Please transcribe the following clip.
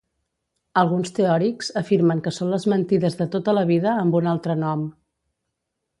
Alguns teòrics afirmen que són les mentides de tota la vida amb un altre nom.